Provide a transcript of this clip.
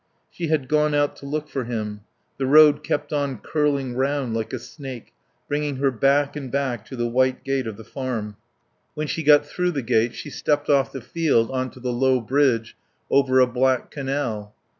She had gone out to look for him. The road kept on curling round like a snake, bringing her back and back to the white gate of the Farm. When she got through the gate she stepped off the field on to the low bridge over a black canal.